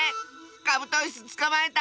カブトイスつかまえた！